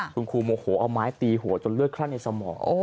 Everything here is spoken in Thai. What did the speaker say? คุณครูโมโหเอาไม้ตีหัวจนเลือดคลั่งในสมอง